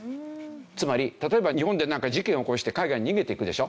つまり例えば日本でなんか事件を起こして海外に逃げていくでしょ。